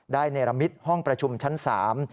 ได้ในละมิตรห้องประชุมชั้นสาม